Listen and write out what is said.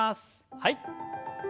はい。